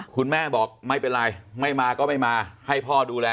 คุณแม่บอกไม่เป็นไรไม่มาก็ไม่มาให้พ่อดูแล